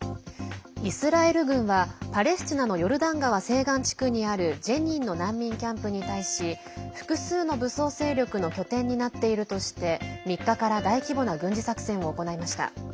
イスラエル軍はパレスチナのヨルダン川西岸地区にあるジェニンの難民キャンプに対し複数の武装勢力の拠点になっているとして３日から大規模な軍事作戦を行いました。